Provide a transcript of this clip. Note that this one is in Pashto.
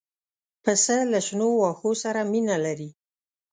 پسه له شنو واښو سره مینه لري.